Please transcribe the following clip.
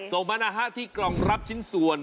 ส่งมา๕ที่กรองรับชิ้นส่วน